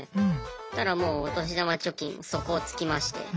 そしたらもうお年玉貯金も底をつきまして。